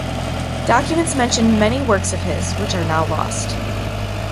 Documents mention many works of his which are now lost.